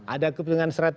ada kepentingan seratus